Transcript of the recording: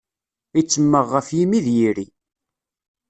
Ittemmeɣ ɣef yimi d yiri.